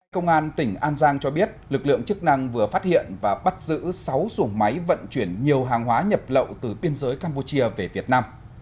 công an tỉnh an giang cho biết lực lượng chức năng vừa phát hiện và bắt giữ sáu xuồng máy vận chuyển nhiều hàng hóa nhập lậu từ biên giới campuchia về việt nam